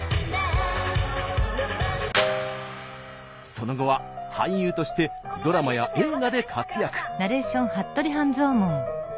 その後は俳優としてドラマや映画で活躍。